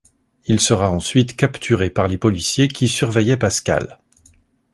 Il sera ensuite capturé par les policiers qui surveillaient Pascal.